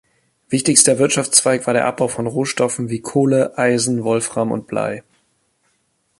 Wichtigster Wirtschaftszweig war der Abbau von Rohstoffen wie Kohle, Eisen, Wolfram und Blei.